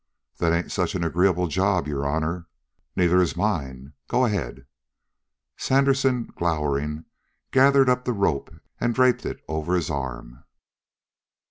"That ain't such an agreeable job, your honor." "Neither is mine. Go ahead." Sandersen, glowering, gathered up the rope and draped it over his arm.